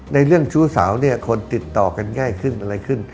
เรื่องชู้สาวเนี่ยคนติดต่อกันง่ายขึ้นอะไรขึ้น